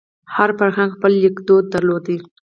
هر فرهنګ خپل لیکدود درلود.